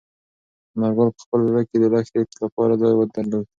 انارګل په خپل زړه کې د لښتې لپاره ځای درلود.